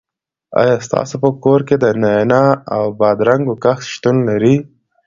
آیا ستاسو په کور کې د نعناع او بادرنګو کښت شتون لري؟